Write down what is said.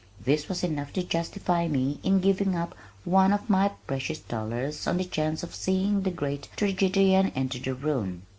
This was enough to justify me in giving up one of my precious dollars on the chance of seeing the great tragedian enter the room.